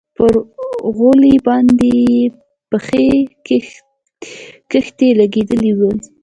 پر غولي باندې يې پخې خښتې لگېدلي دي.